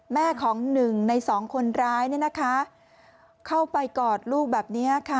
แม่ของหนึ่งในสองคนร้ายเนี่ยนะคะเข้าไปกอดลูกแบบนี้ค่ะ